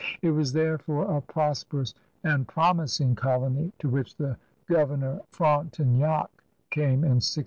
It was therefore a prosperous and promising colony to which Governor Frontenac came in 1672.